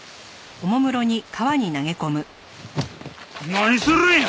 何するんや！